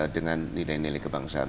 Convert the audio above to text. dengan nilai nilai kebangsaan